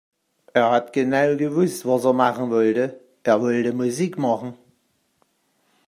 Er hat genau gewusst was er machen wollte. Er wollte Musik machen.